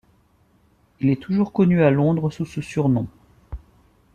Il est toujours connu à Londres sous ce surnom.